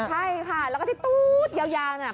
ใช่ค่ะแล้วก็ที่ตู๊ดยาวน่ะ